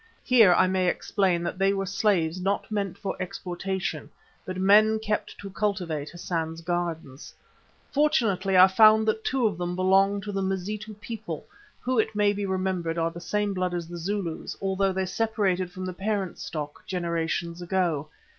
Here I may explain that they were slaves not meant for exportation, but men kept to cultivate Hassan's gardens. Fortunately I found that two of them belonged to the Mazitu people, who it may be remembered are of the same blood as the Zulus, although they separated from the parent stock generations ago.